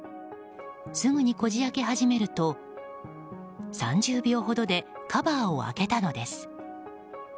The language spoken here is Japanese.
すぐにこじ開け始めると３０秒ほどでカバーを開けたのです。